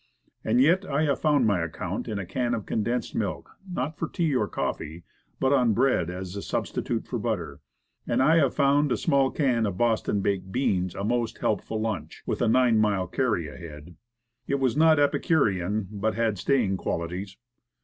And yet, I have found my account in a can of condensed milk, not for tea or coffee, but on bread as a sub stitute for butter. And I have found a small can of Boston baked beans a most helpful lunch, with a nine mile carry ahead. It was not epicurean, but had staying qualities.